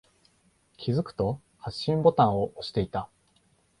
気づくと、発信ボタンを押していた。